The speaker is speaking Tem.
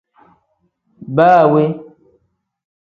Baa we.